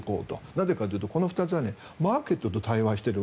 なぜかというと、この２つはマーケットと対話している